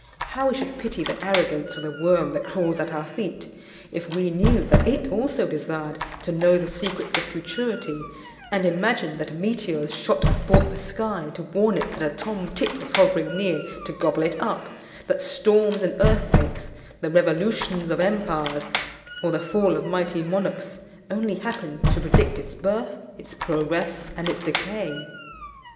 How we should pity the arrogance of the worm that crawls at our feet, if we knew that it also desired to know the secrets of futurity, and imagined that meteors shot athwart the sky to warn it that a tom tit was hovering near to gobble it up; that storms and earthquakes, the revolutions of empires, or the fall of mighty monarchs, only happened to predict its birth, its progress, and its decay!